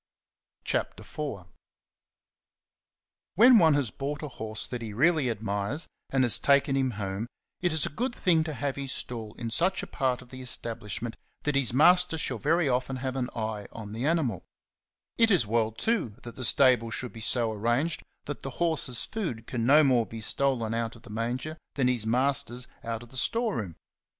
CHAPTER IV. w HEN one has bought a horse that he really admires, and has taken him m home, it is a good thing to have his stall such a part of the establishment that his master shall very often have an eye ^' on the animal ; it is well, too, that the stable should be so arranged that the horse's food can no more be stolen out of the manger than his master's out of the storeroom.